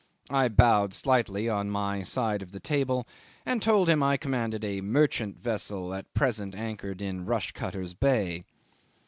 I bowed slightly on my side of the table, and told him I commanded a merchant vessel at present anchored in Rushcutters' Bay.